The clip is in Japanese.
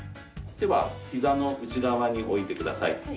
手はひざの内側に置いてください。